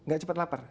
gak cepat lapar